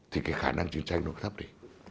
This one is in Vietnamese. thì cái khả năng chiến tranh nó thấp đi